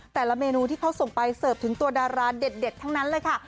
แต่ละเมนูที่เขาส่งไปเสิร์ฟถึงตัวดาราเด็ดทั้งนั้นเลยค่ะ